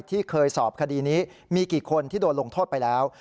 ที่เคยสอบคดีนี้มีกี่คนที่โดนลงโทษไปแล้ว